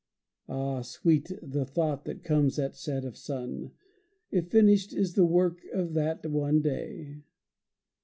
Ah, sweet the thought that comes at set of sun, If finished is the work of that one day.